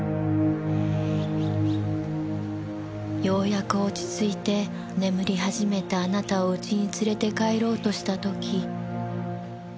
ようやく落ち着いて眠り始めたあなたを家に連れて帰ろうとした時。